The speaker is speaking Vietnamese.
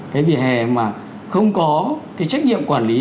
cái vỉa hè mà không có cái trách nhiệm quản lý